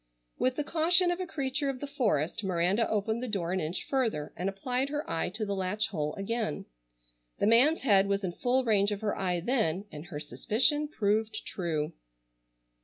With the caution of a creature of the forest Miranda opened the door an inch further, and applied her eye to the latch hole again. The man's head was in full range of her eye then, and her suspicion proved true.